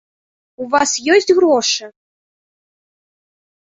У вас ёсць грошы??